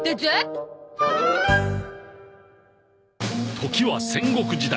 時は戦国時代